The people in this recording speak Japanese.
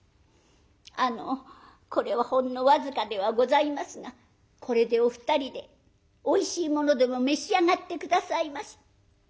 あのこれはほんの僅かではございますがこれでお二人でおいしいものでも召し上がって下さいまし。